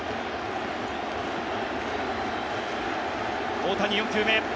大谷、４球目。